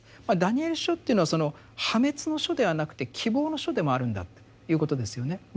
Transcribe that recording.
「ダニエル書」っていうのはその破滅の書ではなくて希望の書でもあるんだということですよね。